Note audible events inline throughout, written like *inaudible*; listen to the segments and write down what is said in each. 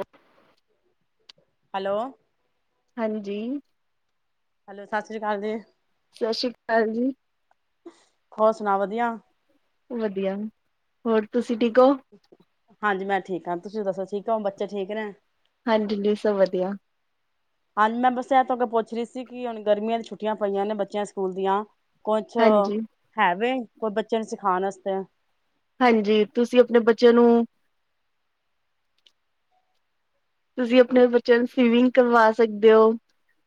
ਅ hello ਹਾਂਜੀ hello ਸਤਿ ਸ਼੍ਰੀ ਅਕਾਲ ਜੀ ਸਤਿ ਸ੍ਰੀ ਅਕਾਲ ਜੀ ਸੁਣਾ ਵਧੀਆ ਵਧੀਆ ਹੋਰ ਤੁਸੀਂ ਠੀਕ ਹਾਂਜੀ ਮੈਂ ਠੀਕ ਹਾਂ ਤੁਸੀਂ ਦੱਸੋ ਠੀਕ ਹੋ ਬੱਚੇ ਠੀਕ ਨੇ ਹਾਂਜੀ ਹਾਂਜੀ ਸਭ ਵਧੀਆ ਹਾਂਜੀ ਮੈਂ ਬਹਿਬ ਤੋਂ ਅੱਗੇ ਪੁੱਛ ਰਹੀ ਸੀ ਕਿ ਹੁਣ ਗਰਮੀਆਂ ਦੀ ਛੁੱਟੀਆਂ ਪਈਆਂ ਨੇ ਬੱਚਿਆਂ ਸਕੂਲ ਦੀਆਂ ਕੁਛ ਹਾਂਜੀ, ਹੈਵੇ ਕੋਈ ਬੱਚੇ ਨੂੰ ਸਿਖਾਉਣ ਵਾਸਤੇ ਹਾਂਜੀ, ਤੁਸੀਂ ਆਪਣੇ ਬੱਚੇ ਨੂੰ ਤੁਸੀਂ ਆਪਣੇ ਬੱਚਿਆਂ ਨੂੰ ਸਵੀਮਿੰਗ ਕਰਵਾ ਸਕਦੇ ਹੋ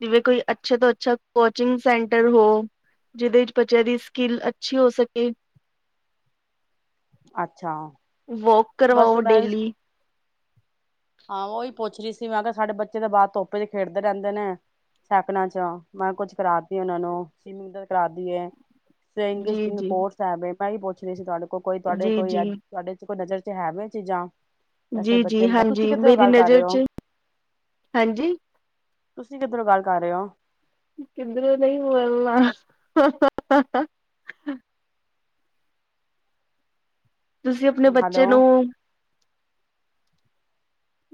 ਜਿਵੇਂ ਕੋਈ ਅੱਛੇ ਤੋਂ ਅੱਛਾ ਕੋਚਿੰਗ ਸੈਂਟਰ ਹੋ ਜਿਹਦੇ ਵਿੱਚ ਬੱਚਿਆਂ ਦੀ ਸਕਿੱਲ ਅੱਛੀ ਹੋ ਸਕੇ ਅੱਛਾ ਵੋਕ ਬਸ ਕਰਵਾਓ ਮੈਂ ਡੇਲੀ ਹਾਂ ਉਹੀ ਪੁੱਛ ਰਹੀ ਸੀ ਸਾਡੇ ਬੱਚੇ ਦੇ ਬਾਹਦ ਤੋਪੇ ਚ ਖੇਡਦੇ ਰਹਿੰਦੇ ਨੇ ਸੈਕ ਚ ਮੈਂ ਕਿਹਾ ਕੁੱਝ ਕਰਾਦੀ ਆ ਉਹਨਾਂ ਨੂੰ ਸਵਮਿੰਗ ਦਾ ਕਰਾ ਦੀਏ ਜੀ ਸਕਿਲ ਜੀ ਕੋਰਸ ਆਵੇ ਮੈਂ ਆਈ ਪੁੱਛ ਰਹੀ ਸੀ ਤੁਹਾਡੇ ਕੋਈ ਤੁਹਾਡੇ ਜੀ ਕੋਈ ਜੀ ਅੱਜ ਤੁਹਾਡੇ ਨਜ਼ਰ ਹੈ, ਵੀ ਚੀਜ਼ਾਂ ਵੈਸੇ ਜੀ ਬੱਚੇ ਜੀ ਨੂੰ ਤੁਸੀਂ ਹਾਂਜੀ ਕਿੱਧਰੋਂ ਮੇਰੀ ਗੱਲ ਕਰ ਰਹੇ ਨਜ਼ਰ ਹੋ ਚ ਹਾਂਜੀ ਤੁਸੀਂ ਕਿੱਧਰ ਨੂੰ ਗੱਲ ਕਰ ਰਹੇ ਹੋ ਕਿੱਧਰੋਂ ਨਹੀਂ ਬੋਲਣਾ ਤੁਸੀਂ ਆਪਣੇ ਬੱਚੇ ਹੈਲੋ ਨੂੰ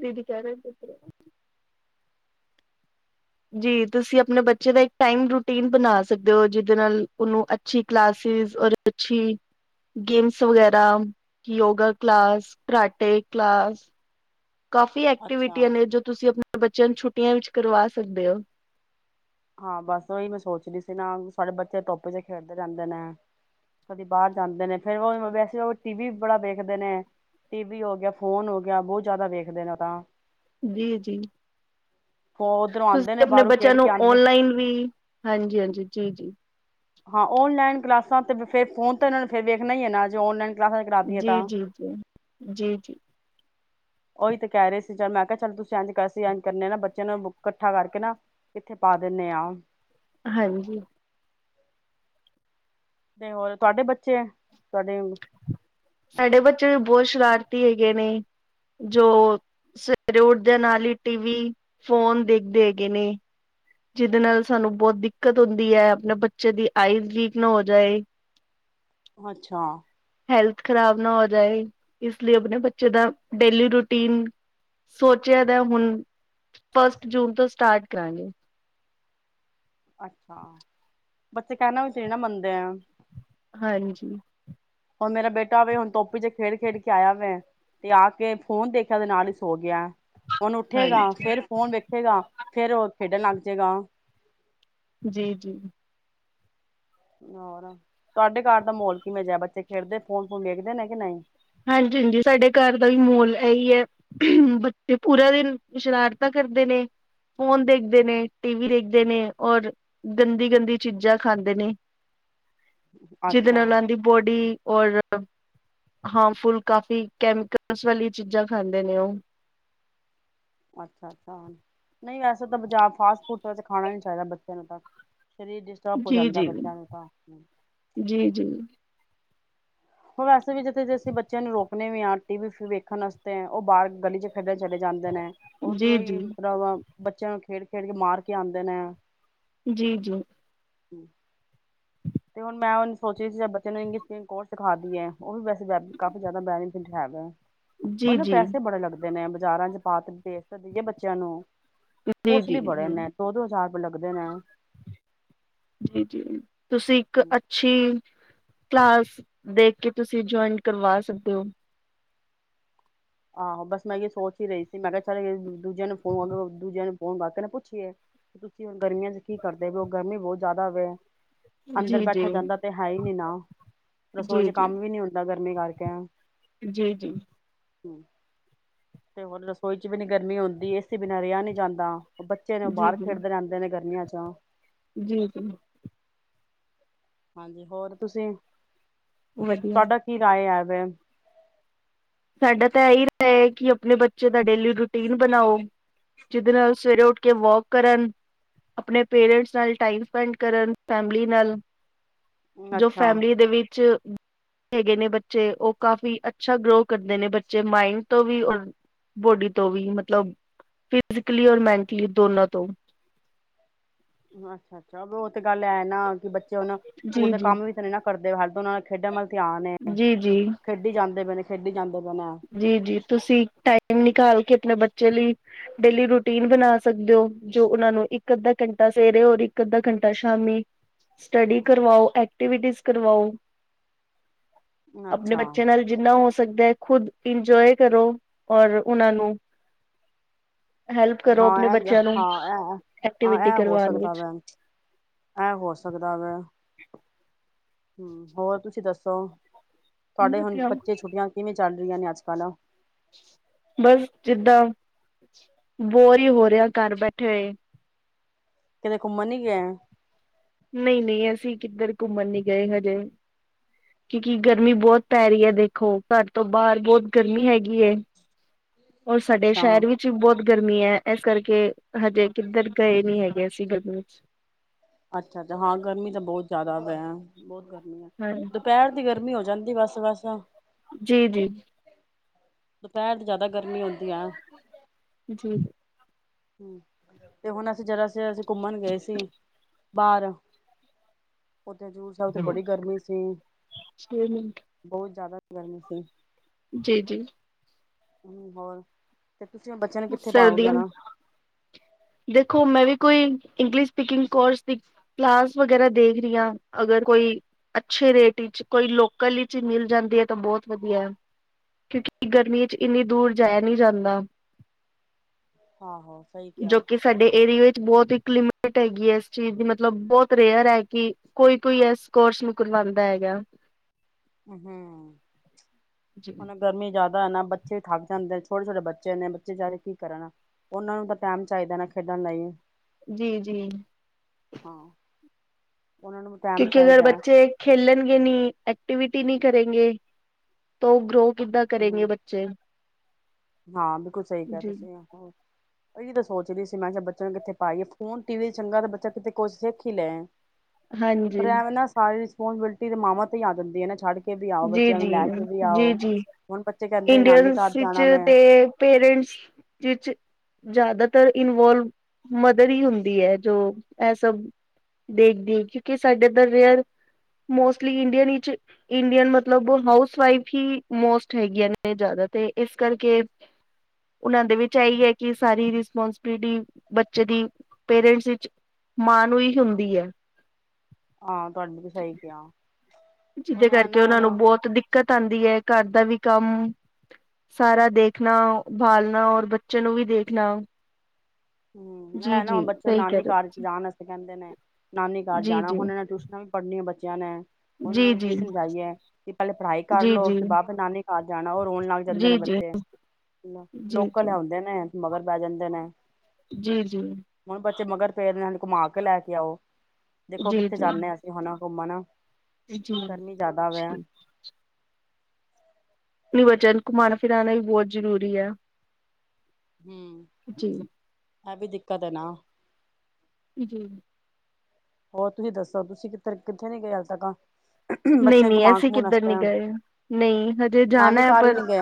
ਵਿਧ *unintelligible* ਜੀ ਤੁਸੀਂ ਆਪਣੇ ਬੱਚੇ ਦਾ ਇੱਕ ਟਾਈਮ ਰੂਟੀਨ ਬਣਾ ਸਕਦੇ ਹੋ, ਜਿਦੇ ਨਾਲ ਓਨੂੰ ਅੱਛੀ ਕਲਾਸਿਸ ਰ ਅੱਛੀ ਗੇਮਸ ਵਗੈਰਾ ਯੋਗਾ ਕਲਾਸ ਕਰਾਟੇ ਕਲਾਸ ਕਾਫੀ ਅੱਛਾ ਐਕਟੀਵਿਟੀਆਂ ਨੇ ਜੋ ਤੁਸੀਂ ਆਪਣੇ ਬੱਚਿਆਂ ਨੂੰ ਛੁੱ ਛੁੱਟੀਆਂ ਵਿੱਚ ਕਰਵਾ ਸਕਦੇ ਹੋ ਹਾਂ, ਬਸ ਉਹੀ ਮੈਂ ਸੋਚ ਰਹੀ ਸੀ ਨਾ ਸਾਡੇ ਬੱਚੇ ਟੋਪੀ ਚ ਖੇਡਦੇ ਰਹਿੰਦੇ ਨੇ ਕਦੀ ਬਾਹਰ ਜਾਂਦੇ ਨੇ ਫਿਰ ਵੈਸੇ ਟੀ ਵੀ ਬੜਾ ਵੇਖਦੇ ਨੇ ਟੀ ਵੀ ਹੋ ਗਿਆ ਫੋਨ ਹੋ ਗਿਆ ਬਹੁਤ ਜ਼ਿਆਦਾ ਵੇਖਦੇ ਨੇ ਤਾਂ ਜੀ ਜੀ ਉੱਧਰੋਂ ਆਉਂਦੇ ਤੁਸੀਂ ਨੇ ਆਪਣੇ ਬਾਹਰੋਂ ਬੱਚਿਆਂ ਖੇਡ ਕੇ ਨੂੰ ਆਉਂਦੇ ਓਨਲਾਈਨ ਵੀ ਹਾਂਜੀ ਹਾਂਜੀ ਜੀ ਜੀ ਹਾਂ ਓਨਲਾਈਨ ਕਲਾਸਾਂ ਤੇ ਫੇ ਫੋਨ ਤਾਂ ਇਹਨਾਂ ਨੂੰ ਫਿਰ ਵੇਖਣਾ ਹੀ ਹੈ ਨਾ ਜੋ ਔਨਲਾਈਨ ਕਲਾਸਾਂ ਕਰਾ ਦੀਏ ਤਾਂ ਜੀ ਜੀ ਜੀ ਜੀ ਜੀ ਉ ਓਹੀ ਤੇ ਕਹਿ ਰਹੇ ਸੀ ਚੱਲ ਮੈਂ ਕਿਹਾ ਚੱਲ ਤੁਸੀਂ ਇੰਜ ਕਰ ਇੰਜ ਕਰਨੇ ਨਾ ਬੱਚਿਆਂ ਨੂੰ ਇਕੱਠਾ ਕਰਕੇ ਨਾ ਕਿੱਥੇ ਪਾ ਦਿੰਦੇ ਆ ਹਾਂਜੀ। ਤੇ ਹੋਰ ਤੁਹਾਡੇ ਬੱਚੇ ਤੁਹਾਡੇ ਸਾਡੇ ਬੱਚੇ ਵੀ ਬਹੁਤ ਸ਼ਰਾਰਤੀ ਹੈਗੇ ਨੇ ਜੋ ਸਵੇਰੇ ਉੱਠਦੇ ਨਾਲ ਹੀ ਟੀਵ ਫੋਨ ਦੇਖਦੇ ਹੈਗੇ ਨੇ ਜਿਹਦੇ ਨਾਲ ਸਾਨੂੰ ਬਹੁਤ ਦਿੱਕਤ ਹੁੰਦੀ ਹੈ, ਆਪਣੇ ਬੱਚੇ ਦੀ ਆਈਜ਼ ਵੀਕ ਨਾ ਹੋ ਜਾਏ। ਅੱਛਾ। ਹੈਲਥ ਖਰਾਬ ਨਾ ਹੋ ਜਾਏ ਇਸ ਲਈ ਆਪਣੇ ਬੱਚੇ ਦਾ ਡੇਲੀ ਰੂਟੀਨ ਸੋਚਿਆ ਦਾ ਹੁਣ ਫਸਟ ਜੂਨ ਤੋਂ ਸਟਾਰਟ ਕਰਾਂਗੇ। ਅੱਛਾ ਬੱਚੇ ਕਹਿਣਾ ਵੀ ਤੇ ਨਈ ਮੰਨਦੇ ਆ ਹਾਂਜੀ। ਹੁਣ ਮੇਰਾ ਬੇਟਾ ਵੇ ਹੁਣ ਧੁੱਪ ਵਿਚ ਖੇਡ, ਖੇਡ ਕੇ ਆਇਆ ਵੇ ਤੇ ਆ ਕੇ ਫੋਨ ਦੇਖਿਆ ਦੇ ਨਾਲ ਹੀ ਸੋ ਗਿਆ। ਉਹਨੂੰ ਉੱਠੇਗਾ ਹਾਂਜੀ ਫਿਰ ਫੋਨ ਵੇਖੇਗਾ ਫੇਰ ਉਹ ਖੇਡਣ ਲੱਗ ਜੇਗਾ ਜੀ, ਜੀ ਹੋਰ ਤੁਹਾਡੇ ਘਰ ਦਾ ਮਾਹੌਲ ਕਿਵੇਂ, ਜਿਹਾ ਬੱਚੇ ਖੇਡਦੇ ਫੋਨ, ਫੋਨ ਵੇਖਦੇ ਨੇ ਕਿ ਨਹੀਂ ਹਾਂਜੀ, ਹਾਂਜੀ ਸਾਡੇ ਘਰ ਦਾ ਵੀ ਮਾਹੋਲ ਇਹੀ ਹੈ, ਬੱਚੇ ਪੂਰਾ ਦਿਨ ਸ਼ਰਾਰਤਾਂ ਕਰਦੇ ਨੇ ਫੋਨ ਦੇਖਦੇ ਨੇ ਟੀਵ ਦੇਖਦੇ ਨੇ ਔਰ ਗੰਦੀ, ਗੰਦੀ ਚੀਜ਼ਾਂ ਖਾਂਦੇ ਨੇ ਜਿਹਦੇ ਅੱਛਾ ਨਾਲ ਓਨਾ ਦੀ ਬੋਡੀ ਔਰ। ਹਾਂ ਫੁੱਲ ਕਾਫੀ ਕੈਮੀਕਲਸ ਵਾਲੀ ਚੀਜ਼ਾਂ ਖਾਂਦੇ ਨੇ ਉਹ ਅੱਛਾ, ਅੱਛਾ ਨਹੀਂ ਵੈਸੇ ਤਾਂ ਬਜ਼ਾਰ ਫਾਸਟ ਫੂਡ ਵਿੱਚ ਖਾਣਾ ਨੀ ਚਾਹੀਦਾ ਬੱਚਿਆਂ ਨੂੰ ਤਾਂ ਸਰੀਰ ਡਿਸਟਰਬ ਹੋ ਜੀ, ਜਾਂਦਾ ਜੀ, ਬੱਚਿਆਂ ਨੂੰ ਤਾਂ ਜੀ, ਜੀ, ਵੈਸੇ ਵੀ ਜਿੱਥੇ ਅਸੀਂ ਬੱਚਿਆਂ ਨੂੰ ਰੋਕਣੇ ਵੀ ਆ ਟੀ ਵੀ ਵੇਖਣ ਵਸਤੇ ਉਹ ਬਾਹਰ ਗਲੀ ਚ ਖੇਡਣ ਚਲੇ ਜਾਂਦੇ ਨੇ ਉਧਰੋਂ ਜੀ, ਹੀ ਜੀ। ਮਤਲਬ ਬੱਚਿਆਂ ਨੂੰ ਖੇਡ, ਖੇਡ ਕੇ ਮਾਰ ਕੇ ਆਉਂਦੇ ਨੇ ਜੀ, ਜੀ ਹੂੰ ਤੇ ਹੁਣ ਮੈਂ ਉਹਨੂੰ ਜੀ, ਜੀ, ਪੈਸੇ ਜੀ, ਬੜੇ ਲੱਗਦੇ ਤੇ ਮੈਂ ਬਾਜ਼ਾਰਾਂ ਚ ਪਾਤ ਪੇਜ ਤੇ ਦਈਏ ਬੱਚਿਆਂ ਨੂੰ ਕੋਸਲੀ ਬੜੇ ਜੀ, ਉਹਨੇ ਦੋ, ਦੋ ਹਜ਼ਾਰ ਲੱਗਦੇ ਨੇ ਜੀ, ਜੀ ਤੁਸੀਂ ਇੱਕ ਅੱਛੀ ਕਲਾਸ ਦੇਖ ਕੇ ਤੁਸੀਂ ਜਇਨ ਕਰਵਾ ਸਕਦੇ ਹੋ। ਆਹੋ ਬਸ ਮੈਂ ਇਹ ਸੋਚ ਹੀ ਰਹੀ ਸੀ, ਮੈਂ ਕਿਹਾ ਚੱਲ ਦੂਜਿਆਂ ਨੂੰ ਫੋਨ ਦੂਜਿਆਂ ਨੂੰ ਫੋਨ ਕਰਕੇ ਨਾ ਪੁੱਛੀਏ ਤੁਸੀਂ ਗਰਮੀਆਂ ਚ ਕੀ ਕਰਦੇ ਵੀ ਗਰਮੀ ਬਹੁਤ ਜ਼ਿਆਦਾ ਵੇ ਅੰਦਰ ਜੀ, ਜੀ, ਬੈਠਾ ਜਾਂਦਾ ਤੇ ਹੈ ਹੀ ਨਾ ਰਸੋਈ ਚ ਜੀ, ਜੀ, ਜੀ, ਕੰਮ ਵੀ ਨੀ ਹੁੰਦਾ ਪਿਆ। ਗਰਮੀ ਕਾਰ ਕੇ ਜੀ, ਜੀ ਹੁਣ ਰਸੋਈ ਚ ਵੀ ਨਹੀਂ ਗਰਮੀ ਹੁੰਦੀ ਏਸੀ ਬਿਨਾਂ ਰਿਹਾ ਨਈ ਜਾਂਦਾ। ਉਹ ਬੱਚੇ ਨੇ ਉਹ ਬਾਹਰ ਜੀ। ਖੇਡਦੇ ਰਹਿੰਦੇ ਨੇ ਗਰਮੀਆਂ ਚ ਹੂੰ *unintelligible* ਜੀ, ਜੀ ਹਾਂਜੀ ਹੋਰ ਤੁਸੀਂ ਵਧੀਆ। ਤੁਹਾਡਾ ਕੀ ਰਾਏ ਹੈ? ਅ *inaudible* ਸਾਡਾ ਤਾਂ ਇਹੀਹਾ ਹੈ ਕਿ ਆਪਣੇ ਬੱਚੇ ਦਾ ਡੇਲੀ ਰੂਟੀਨ ਬਣਾਓ ਜਿਹਦੇ ਨਾਲ ਸਵੇਰੇ ਉੱਠ ਕੇ ਵੋਕ ਕਰਨ ਆਪਣੇ ਪੇਰੈਂਟਸ ਨਾਲ ਟਾਈਮ ਸਪੈਂਡ ਕਰਨ ਫੈਮਲੀ ਨਾਲ- ਜੋ ਅੱਛਾ ਫੈਮਲੀ ਦੇ ਵਿੱਚ- ਹੈਗੇ ਨੇ ਬੱਚੇ ਉਹ ਕਾਫੀ ਅੱਛਾ ਗਰੋਥ- ਕਰਦੇ ਨੇ ਬੱਚੇ ਮਾਇੰਡ ਤੋਂ ਵੀ ਔਰ ਬੋਡੀ ਤੋਂ ਵੀ ਮਤਲਬ ਫਿਜੀਕਲੀ ਔਰ ਮੈਂਟਲੀ ਦੋਨਾਂ ਤੋਂ- ਅੱਛਾ-ਅੱਛਾ ਉਹ ਤੇ ਗੱਲ ਐ ਨਾ ਕਿ ਬ- ਉਹ ਸਕੂਲ ਜੀ ਦੇ ਜੀ ਕੰਮ ਵੀ ਤਾਂ ਨਹੀਂ ਨਾ ਕਰਦੇ ਹਰ ਉਹਨਾਂ ਦਾ ਖੇਡਣ ਵੱਲ ਧਿਆਨ ਨੇ ਖੇਡੀ ਜਾਂਦੇ ਪਏ ਨੇ - ਖੇਡੀ ਜਾਂਦੇ- ਪਏ ਨੇ ਜੀ-ਜੀ ਤੁਸੀਂ ਟਾਈਮ ਨਿਕਾਲ ਕੇ ਆਪਣੇ ਬੱਚੇ- ਚਲੀ ਡੇਲੀ ਰੂਟੀਨ ਬਣਾ ਸਕਦੇ ਹੋ, ਜੋ ਓਨਾ ਨੂੰ ਇੱਕ ਅਧਾ ਘੰਟਾ ਸਵੇਰੇ ਰ ਇਕ ਅਧਾ ਘੰਟਾ ਸ਼ਾਮੀ ਸਟਡੀ ਕਰਵਾਓ ਐਕਟੀਵਿਟੀਸ ਕਰਵਾਓ। ਆਪਣੇ ਅੱਛਾ ਬੱਚਿਆਂ ਨਾਲ ਜਿੰਨਾ ਹੋ- ਸਕਦਾ ਹੈ। ਖੁਦ ਇੰਜੋਏ ਕਰੋ ਔਰ ਉਹਨਾ ਨੂੰ- ਹੈਲਪ ਕਰੋ ਹਾਂ। ਆਪਣੇ ਬੱਚਿਆਂ ਨੂੰ ਐਜਂ ਐਕਟੀਵਿਟੀ ਐ ਹੋ ਕਰਵਾਉਣ ਸਕਦਾ ਵਿੱਚ ਵ, ਐ ਹਾਂ ਇਹ ਹੋ ਸਕਦਾ, ਐ ਹੋ ਸਕਦਾ ਵ- ਹੂੰ ਹੋਰ ਤੁਸੀਂ ਦੱਸੋ- ਤੁਹਾਡੇ ਹੁਣ ਬੱਚੇ ਛੁੱਟੀਆਂ ਕਿਵੇਂ- ਚੱਲ ਰਹੀਆਂ ਨੇ ਅੱਜ ਕੱਲ੍ਹ- ਬਸ ਜਿੱਦਾਂ ਬੋਰ ਹੀ ਹੋ ਰਿਹਾ ਘਰ ਬੈਠੇ ਹੋਏ। ਕਿਤੇ ਘੁੰਮਣ ਨੀ ਗਏ? ਨਹੀਂ, ਨਹੀਂ ਅਸੀਂ ਕਿੱਧਰ ਘੁੰਮਣ ਨੀ ਗਏ ਹਜੇ ਕਿਉਕਿ ਗਰਮੀ ਬਹੁਤ ਪੈ ਰਹੀ ਹੈ ਦੇਖੋ ਘਰ ਤੋਂ ਬਾਹਰ ਬਹੁਤ ਗਰਮੀ ਹੈਗੀ ਹੈ। ਹੋਰ ਸਾਡੇ ਅੱਛਾ ਸ਼ਹਿਰ ਵਿੱਚ ਵੀ ਬਹੁਤ- ਗਰਮੀ ਹੈ, ਇਸ ਕਰਕੇ ਹਜੇ ਕਿੱਧਰ ਗਏ ਨਹੀਂ ਹੈਗੇ ਅਸੀਂ ਗਰਮੀ ਵਿੱਚ- ਅੱਛਾ-ਅੱਛਾ ਹਾਂ ਗਰਮੀ ਤਾਂ ਬਹੁਤ ਜ਼ਿਆਦਾ ਵ ਬਹੁਤ ਗਰਮੀ- ਹਾਂ ਦੁਪਹਿਰ ਦੀ ਗਰਮੀ ਹੋ ਜਾਂਦੀ- ਬਸ-ਬਸ ਜੀ-ਜੀ ਦੁਪਹਿਰ ਤੇ ਜ਼ਿਆਦਾ ਗਰਮੀ ਹੁੰਦੀ ਐ। ਜੀ ਤੇ ਹੁਣ ਅਸੀਂ ਜਰਾਸੀ ਅਸੀਂ ਘੁੰਮਣ ਗਏ ਸੀ ਬਾਹਰ- ਹਜ਼ੂਰ ਸਾਹਿਬ ਤੇ ਬੜੀ ਗਰਮੀ ਸੀ, ਛੇ ਬਹੁਤ ਜ਼ਿਆਦਾ- ਗਰਮੀ ਸੀ। ਜੀ-ਜੀ ਹੂੰ ਹੋਰ- ਤੇ ਤੁਸੀਂ ਬੱਚਿਆਂ ਨੂੰ ਕਿੱਥੇ ਪਾਓ ਸਰਦੀਆਂ ਜਾਣਾ- ਦੇਖੋ ਮੈਂ ਵੀ ਕੋਈ ਇੰਗਲਿਸ਼ ਸਪੀਕਿੰਗ ਕੋਰਸ ਦੀ ਕਲਾਸ ਵਗੈਰਾ ਦੇਖ ਰਹੀ ਹਾਂ ਅਗਰ ਕੋਈ ਅੱਛੇ ਰੇਟ ਵਿੱਚ ਕੋਈ ਲੋਕਲ ਵਿੱਚ ਹੀ ਮਿਲ ਜਾਂਦੀ ਹੈ ਤਾਂ ਬਹੁਤ ਵਧੀਆ ਹੈ ਕਿਉਂਕਿ ਗਰਮੀ ਵਿੱਚ ਇੰਨੀ ਦੂਰ ਜਾਇਆ ਨਹੀਂ ਜਾਂਦਾ। ਆਹੋ ਸਹੀ ਜੋ ਕਿਹਾ ਕਿ ਸਾਡੇ ਏਰੀਏ- ਬਹੁਤ ਇੱਕ ਲਿਮਿਟ ਹੈਗੀ, ਆ ਇਸ ਚੀਜ਼ ਦੀ ਮਤਲਬ ਬਹੁਤ ਰੇਅਰ ਹੈ ਕਿ ਕੋਈ ਕੋਈ ਇਸ ਕੋਰਸ ਨੂੰ ਕਰਵਾਉਦਾ ਹੈਗਾ। ਹੂੰ ਹੁਣ ਗਰਮੀ ਜ਼ਿਆਦਾ ਨਾ ਬੱਚੇ ਵੀ ਥੱਕ ਜਾਂਦੇ ਛੋਟੇ ਛੋਟੇ ਬੱਚੇ ਨੇ ਬੱਚੇ ਜ਼ਿਆਦਾ ਕੀ ਕਰਨਾ ਉਹਨਾਂ ਨੂੰ ਤਾਂ ਟਾਈਮ ਚਾਹੀਦਾ ਨਾ ਖੇਡਣ ਲਈ ਜੀ -ਜੀ। ਹਾਂ ਉਹਨਾਂ ਨੂੰ ਟਾਈਮ ਕਿਉਂਕਿ ਅਗਰ ਚਾਹੀਦਾ ਬੱਚੇ ਖੇਲਣਗੇ ਨੀ ਐਕਟੀਵਿ ਵਟੀ ਨਹੀਂ ਕਰੇਗੇ ਤੋ ਗਰੋ ਕਿੱਦਾਂ ਕਰੇਗੇ ਹੂੰ ਬੱਚੇ। ਹਾਂ ਬਿਲਕੁਲ ਸਹੀ ਕਹਿ ਰਹੇ ਜੀ ਤੁਸੀ ਇਹੀ ਤਾਂ ਸੋਚ ਰਹੀ ਸੀ ਮੈਂ ਕਿਹਾ ਬੱਚਿਆਂ ਨੂੰ ਕਿੱਥੇ ਪਾਈਏ ਫੋਨ ਟੀ ਵੀ ਚੰਗਾ ਤੇ ਬੱਚਾ ਕਿਤੇ ਕੁਛ ਸਿੱਖ ਹੀ ਲੈਣ। ਪਰ ਹਾਂਜੀ ਏ ਵੀ ਨਾ ਸਾਰੀ *inaudible* ਮਾਵਾਂ ਤੇ ਹੀ ਆ ਜਾਂਦੀ ਆ ਨਾ ਛੱਡ ਕੇ ਵੀ ਆਓ ਜੀ ਬੱਚਿਆਂ ਨੂੰ ਜੀ ਲੈ ਕੇ ਵੀ ਜੀ ਆਓ ਜੀ ਹੁਣ ਬੱਚੇ ਕਹਿੰਦੇ ਨਾਨੀ ਇੰਡੀਅਨਸ ਘਰ ਵਿੱਚ ਜਾਣਾ ਵੈਂ। ਤੇ ਪੇਰੈਂਟਸ ਵਿਚ ਜਿਆਦਾਤਰ ਇਨਵਲਵ ਮਦਰ ਹੀ ਹੁੰਦੀ ਹੈ ਜੋ ਇਹ ਸਬ ਦੇਖਦੇ ਕਿਉੰਕਿ ਸਾਡੇ ਰੀਅਰ ਮੋਸਟਲੀ ਇੰਡੀਅਨ ਵਿਚ ਇੰਡੀਅਨ ਮਤਲਬ ਹਾਊਸ ਵਾਈਫ ਹੀ ਮੋਸਟ ਹੈਗੀਆ ਨੇ ਜਿਆਦਾ ਤੇ ਇਸ ਕਰਕੇ ਉਹਨਾ ਦੇ ਵਿਚ ਆਹੀ ਹੈ ਕਿ ਸਾਰੀ ਰਿਸਪੋਂਸਬਿਲਿਟੀ ਬੱਚੇ ਦੀ ਪੇਰਟਸ ਵਿਚ ਮਾਂ ਨੂੰ ਹੀ ਹੁੰਦੀ ਹੈ। ਆਹ ਤੁਹਾਡੀ ਵੀ ਸਹੀ ਕਿਹਾ। ਜਿਹਦੇ ਉਹਨੇ ਕਰਕੇ ਨਾ ਉਹਨਾਂ ਹੁਣ ਨੂੰ ਬਹੁਤ ਦਿੱਕਤ ਆਉਂਦੀ ਹੈ। ਘਰ ਦਾ ਵੀ ਕੰਮ ਸਾਰਾ ਦੇਖਣਾ ਬਾਲਣਾ ਔਰ ਬੱਚੇ ਨੂੰ ਵੀ ਦੇਖਣਾ ਹੂੰ ਜੀ ਹੈ ਨਾ ਜੀ ਬੱਚੇ ਸਹੀ ਕਹਿ ਨਾਨੀ ਰਹੇ ਹੋ। ਘਰ, 'ਚ ਜਾਣ ਅਸਤੇ ਕਹਿੰਦੇ ਨੇ ਨਾਨੀ ਘਰ ਜੀ ਜਾਣਾ ਜੀ ਹੁਣੇ ਨੇ ਟਿਊਸ਼ਨਾਂ ਵੀ ਪੜ੍ਹਨੀਆਂ ਬੱਚੇ ਜਾਨਾ। ਉਹਨਾਂ ਜੀ ਨੂੰ ਜੀ ਕੀ ਸਮਝਾਈਏ ਕਿ ਪਹਿਲੇ ਪੜ੍ਹਾਈ ਕਰ ਜੀ ਜੀ ਲਓ ਉਸਦੇ ਬਾਅਦ ਫ ਨਾਨੀ ਕ ਜਾਣਾ ਉਹ ਰੋਣ ਲੱਗ ਜਾਂਦੇ ਨੇ ਜੀ ਜੀ ਜੀ ਬੱਚੇ ਜੀ ਜੀ ਜੀ ਲੋਕਲ ਆਉਂਦੇ ਨੇ। ਮਗਰ ਬੈ ਜਾਂਦੇ ਨੇ ਜੀ ਹੁਣ ਬੱਚੇ ਮਗਰ ਪਏ ਦੇ ਨੇ ਘੁਮਾ ਕੇ ਲੈ ਕੇ ਆਓ। ਦੇਖੋ ਜੀ ਕਿੱਥੇ ਜੀ ਜਾਂਦੇ ਹਾਂ ਅਸੀਂ ਹੁਣ। ਘੁੰਮਣ ਜੀ ਗਰਮੀ ਜ਼ਿਆਦਾ ਵੈ ਆਪਣੀ ਬੱਚਿਆ ਘੁਮਾਉਣਾ ਫਿਰਉਣਾ ਵੀ ਬਹੁਤ ਜ਼ਰੂਰੀ ਹੈ। ਹੂੰ ਜੀ। ਇਹ ਵੀ ਦਿੱਕਤ ਹੈ ਨਾ ਜੀ -ਜੀ ਹੋਰ ਤੁਸੀਂ ਦੱਸੋ ਤੁਸੀਂ ਕਿੱਥਰ ਕਿੱਥੇ ਨੀ ਗਏ ਹਜੇ ਤੱਕਾ ਨਹੀਂ-ਨਹੀਂ ਅਸੀਂ ਕਿੱਧਰ ਨਹੀਂ ਗਏ। ਨਹੀਂ ਹਜੇ ਜਾਣਾ ਨਾਨੀ ਹੈ ਘਰ ਹੀ ਪਰ ਨੀ ਗਏ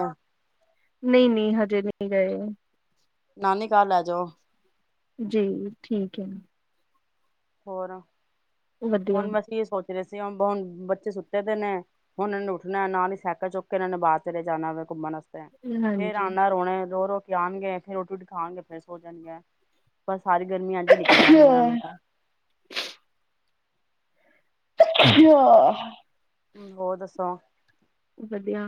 ਨਹੀਂ -ਨਹੀਂ ਹਜੇ ਨਹੀਂ ਗਏ। ਨਾਨੀ ਘਰ ਲੈ ਜਾਓ ਜੀ, ਠੀਕ ਹੈ। ਹੋਰ ਵਧੀਆ ਹੁਣ ਬਸ ਏਹੀੳ ਸੋਚ ਤੇ ਅਸੀ ਹੁਣ ਬੁਨ ਬੱਚੇ ਸੁੱਤੇ ਪਏ ਨੇ ਹੁਣ ਇਹਨਾਂ ਨੇ ਉੱਠਣਾ ਨਾਲ ਹੀ ਸੈਕਲ ਚੁੱਕ ਕੇ ਇਹਨਾਂ ਨੇ ਬਾਹਰ ਚਲੇ ਜਾਣਾ ਵਾ ਘੁੰਮਣ ਆਸਤੇ ਫੇਰ ਹਾਂਜੀ। ਆਨਾ ਰੋਣਾ। ਰੋ-ਰੋ ਫੇਰ ਆਣਗੇ। ਫੇਰ ਰੋਟੀ- ਰੂਟੀ ਖਾਣਗੇ ਫ਼ੇਰ ਸੋ ਜਾਣਗੇ। ਬਸ ਸਾਰੀ ਗਰਮੀ ਇਂਝ ਹੀ ਨਿਕਲ ਜਾਣੀ ਏ, ਉਹਨਾਂ ਦੀ ਤਾਂ। ਛਿੱਕਿਆ ਹੋਰ ਦੱਸੋ ਵਧੀਆ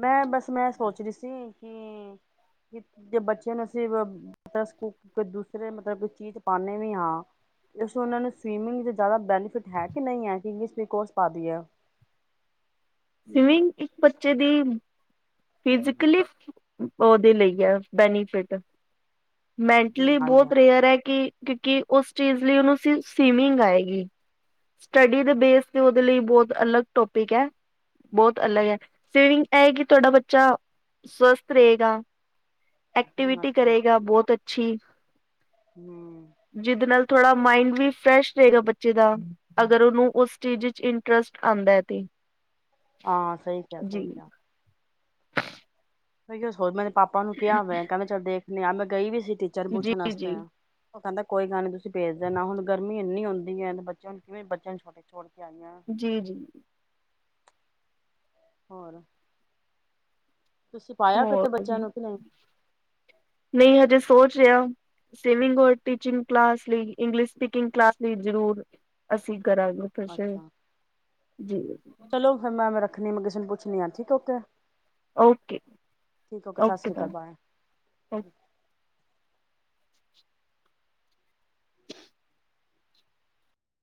ਮੈਂ ਬਸ ਮੈਂ ਸੋਚ ਰਹੀ ਸੀ ਕਿ ਜੇ ਬੱਚੇ ਨੂੰ ਅਸੀਂ ਦੱਸ ਦੂਸਰੇ ਮਤਲਬ ਚੀਜ਼ ਪਾਉਦੇ ਵੀ ਹਾਂ ਇਸ ਉਹਨਾਂ ਨੂੰ ਸਵੀਮਿੰਗ ਦਾ ਜ਼ਿਆਦਾ ਬੈਨੀਫਿਟ ਹੈ ਕਿ ਨਹੀਂ ਹੈ ਕਿ *unintelligible* ਕੋਰਸ ਪਾਦੀ ਹੈ ਸਵੀਮਿੰਗ ਇੱਕ ਬੱਚੇ ਦੀ ਫਿਜ਼ਕਲੀ ਉਹਦੇ ਲਈ ਹੈ ਬੈਨੀਫਿਟ ਹਮ ਮੈਂਟਲੀ ਹਾਂਜੀ ਬਹੁਤ ਰੇਅਰ ਹੈ, ਕਿ ਕਿਉਂਕਿ ਉਸ ਚੀਜ਼ ਲਈ ਉਹਨੂੰ ਸਵੀਮਿੰਗ ਆਏਗੀ। ਸੱਟਡੀ ਦੇ ਬੇਸ ਤੇ ਉਹਦੇ ਲਈ ਬੋਹਤ ਅਲਗ ਟੋਪਿਕ ਏ। ਬਹੁਤ ਅਲਗ ਹੈ। ਸਵੀਮਿੰਗ ਇਹ ਕਿ ਤੁਹਾਡਾ ਬੱਚਾ ਸੱਵਸਥ ਰਹੇਗਾ। ਹਮ ਐਕਟੀਵਿਟੀ ਅੱਛਾ ਕਰੇਗਾ ਬਹੁਤ ਅੱਛੀ। ਹਮ ਜਿਦੇ ਨਾਲ ਥੋੜਾ ਮਾਇੰਡ ਵੀ ਫਰੈਸ਼ ਰਹੇਗਾ ਬੱਚੇ ਦਾ। ਅਗਰ ਉਹਨੂੰ ਉਸ ਸਟੇਜ ਟਰੱਸਟ ਆਉਂਦਾ ਤੇ ਹਾਂ, ਸਹੀ ਕਿਹਾ, ਸਹੀ ਜੀ ਕਿਹਾ। ਮੈਂ ਕਿਹਾ ਹੋਰ ਮੈਂ ਪਾਪਾ ਨੂੰ ਕਿਹਾ ਮੈਂ ਕਹਿੰਦੇ ਚੱਲ ਦੇਖ ਨਿਆ ਮੈਂ ਗਈ ਵੀ ਸੀ। ਟੀਚਰ ਜੀ ਪੁੱਛਣ ਵਾਸਤੇ ਜੀ ਆ ਉਹ ਕਹਿੰਦਾ ਕੋਈ ਗੱਲ ਨਹੀਂ ਤੁਸੀਂ ਭੇਜ ਦੇਣਾ। ਹੁਣ ਗਰਮੀ ਇੰਨੀ ਹੁੰਦੀ ਹੈ ਤਾਂ ਬੱਚਿਆਂ ਨੂੰ ਕਿਵੇਂ ਬੱਚਿਆਂ ਨੂੰ ਛੱਡ ਛੋੜ ਕੇ ਆਈਆਂ ਜੀ ਜੀ ਹੋਰ ਤੁਸੀਂ ਪਾਇਆ ਹੋਰ ਕਿਤੇ ਬੱਚਿਆਂ ਨੂੰ ਕਿ ਨਹੀਂ ਕਿਉਂ ਸਵੀਮਿੰਗ ਔਰ ਟੀਚਿੰਗ ਕਲਾਸ ਲਈ, ਇੰਗਲਿਸ਼ ਸਪੀਕਿੰਗ ਕਲਾਸ ਲਈ ਜ਼ਰੂਰ ਅਸੀਂ ਕਰਾਂਗੇ ਅੱਛਾ *unintelligible* ਜੀ ਖਣੀ ਮੈਂ ਕਿਸੇ ਨੂੰ ਪੁੱਛਣੀ *unintelligible* ਓਕੇ ਠੀਕ ਸਤਿ ਓਕੇ, ਸ਼੍ਰੀ ਅਕਾਲ ਬਾਏ, ਓਕੇ